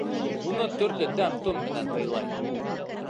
Уны төрлө тәм-том менән һыйлай.